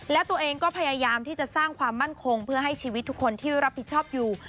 และตัวเองก็พยายามที่จะสร้างความมั่นคงเพื่อให้ชีวิตทุกคนที่รับผิดชอบอยู่